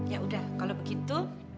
yaudah kalau begitu